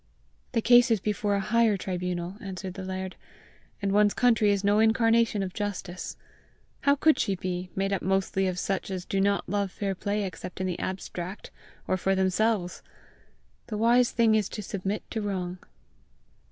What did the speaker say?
"The case is before a higher tribunal," answered the laird; "and one's country is no incarnation of justice! How could she be, made up mostly of such as do not love fair play except in the abstract, or for themselves! The wise thing is to submit to wrong."